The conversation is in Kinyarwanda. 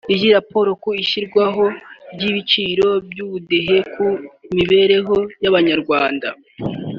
Iyo raporo ku ishyirwaho ry’ibyiciro by’Ubudehe ku mibereho y’Abanyarwanda